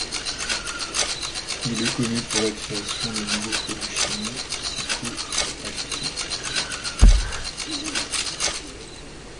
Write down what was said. Il est connu pour la création de nouveaux produits chimiques psychoactifs.